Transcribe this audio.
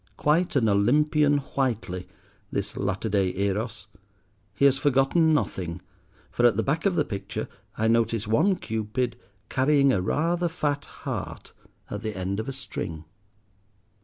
Quite an Olympian Whiteley, this latter day Eros; he has forgotten nothing, for, at the back of the picture, I notice one Cupid carrying a rather fat heart at the end of a string.